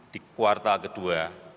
di kuartal kedua